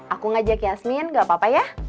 aku ngajak yasmin gak apa apa ya